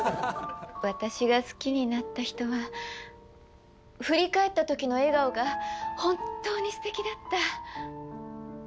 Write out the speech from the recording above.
私が好きになった人は振り返ったときの笑顔が本当にすてきだった。